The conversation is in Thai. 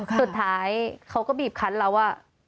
สุดท้ายเขาก็บีบคันเราว่า